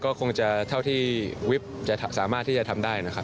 ก็คงจะเท่าที่วิปจะสามารถที่จะทำได้นะครับ